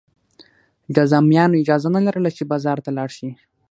جذامیانو اجازه نه لرله چې بازار ته لاړ شي.